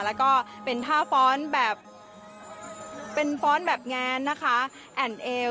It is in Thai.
แล้วก็เป็นท่าฟ้อนแบบเป็นฟ้อนแบบแงนนะคะแอ่นเอว